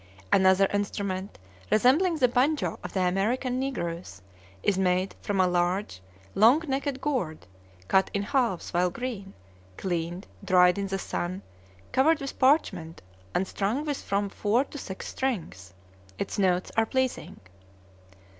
Another instrument, resembling the banjo of the American negroes, is made from a large long necked gourd, cut in halves while green, cleaned, dried in the sun, covered with parchment, and strung with from four to six strings. Its notes are pleasing.